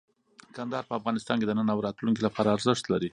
کندهار په افغانستان کې د نن او راتلونکي لپاره ارزښت لري.